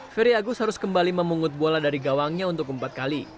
ferry agus harus kembali memungut bola dari gawangnya untuk empat kali